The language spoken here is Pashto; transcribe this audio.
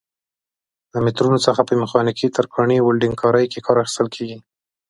له مترونو څخه په میخانیکي، ترکاڼۍ، ولډنګ کارۍ کې کار اخیستل کېږي.